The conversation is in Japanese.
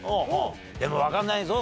でもわかんないぞ。